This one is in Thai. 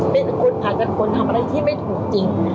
แม่จะเป็นคนทำอะไรที่ไม่ถูกจริง